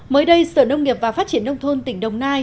mới đây sở nông nghiệp và phát triển nông thôn tỉnh đồng nai